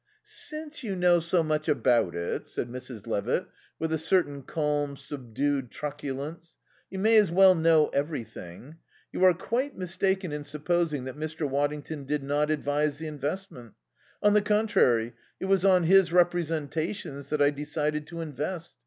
"Since you know so much about it," said Mrs. Levitt with a certain calm, subdued truculence, "you may as well know everything. You are quite mistaken in supposing that Mr. Waddington did not advise the investment. On the contrary, it was on his representations that I decided to invest.